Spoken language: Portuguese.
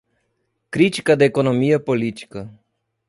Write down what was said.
Crítica da Economia Política